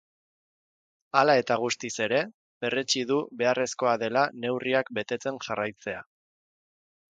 Hala eta guztiz ere, berretsi du beharrezkoa dela neurriak betetzen jarraitzea.